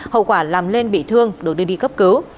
hậu quả làm lên bị thương được đưa đi cấp cứu